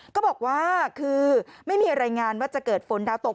ก็บอกว่าคือไม่มีรายงานว่าจะเกิดฝนดาวตก